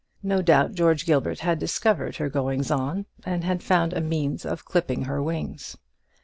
No doubt George Gilbert had discovered her goings on, and had found a means of clipping her wings.